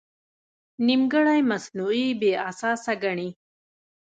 نیمګړی مصنوعي بې اساسه ګڼي.